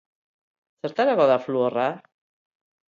Zertarako da fluorra?